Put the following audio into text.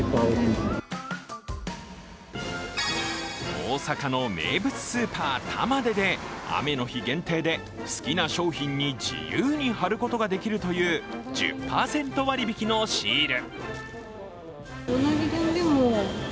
大阪の名物スーパー、玉出で雨の日限定で好きな商品に自由に貼ることができるという１０％割引のシール。